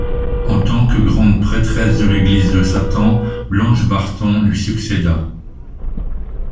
En tant que Grande Prêtresse de l'Église de Satan, Blanche Barton lui succéda.